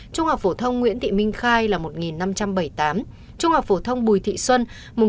trung học phổ thông nguyễn thị minh khai một năm trăm bảy mươi tám trung học phổ thông bùi thị xuân một bốn trăm tám mươi hai